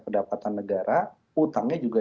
pendapatan negara utangnya juga